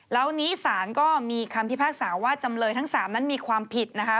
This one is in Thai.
แล้วนี้สารก็มีคำพิพากษาว่าจำเลยทั้ง๓นั้นมีความผิดนะคะ